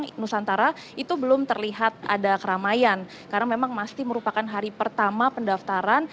di nusantara itu belum terlihat ada keramaian karena memang masih merupakan hari pertama pendaftaran